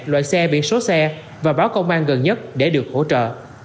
loại xe bị xốt xe và báo công an gần nhất để được hỗ trợ